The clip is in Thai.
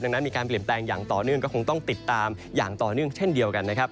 ดังนั้นมีการเปลี่ยนแปลงอย่างต่อเนื่องก็คงต้องติดตามอย่างต่อเนื่องเช่นเดียวกันนะครับ